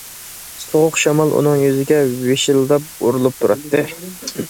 سوغۇق شامال ئۇنىڭ يۈزىگە ۋىشىلداپ ئۇرۇلۇپ تۇراتتى.